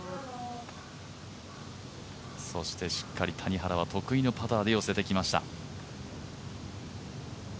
しっかり谷原は得意のパターで寄せてきました。